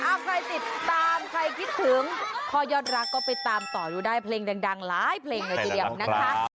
เอาใครติดตามใครคิดถึงพ่อยอดรักก็ไปตามต่อดูได้เพลงดังหลายเพลงเลยทีเดียวนะคะ